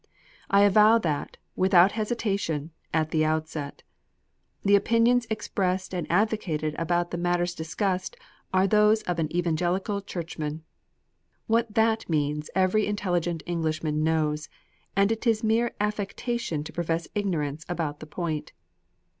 I avow that, without hesitation, at the outset. The opinions expressed and advocated about the matters discussed, are those of an Evangelical Churchman. What THAT means every intelligent Englishman knows, and it is mere affectation to profess ignorance about the point.